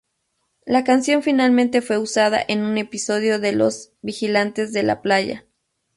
La canción finalmente fue usada en un episodio de "Los vigilantes de la playa".